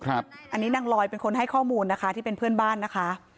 อันนี้นางลอยเป็นคนให้ข้อมูลนะคะที่เป็นเพื่อนบ้านนะคะ